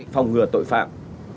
phòng ngừa tội phạm